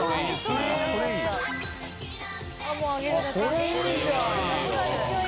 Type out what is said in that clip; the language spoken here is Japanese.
これいいじゃん！